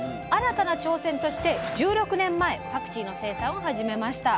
新たな挑戦として１６年前パクチーの生産を始めました。